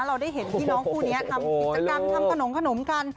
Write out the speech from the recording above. เราได้เห็นพี่น้องคู่นี้ทำกิจกรรมทำขนมกัน